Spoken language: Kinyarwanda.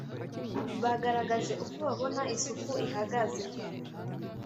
bagaragaje uko babona isuku ihagaze